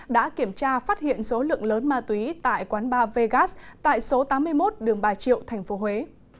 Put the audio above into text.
đã kiểm tra phát hiện số lượng lớn ma túy tại quán ba vegas tại số tám mươi một đường bà triệu tp huế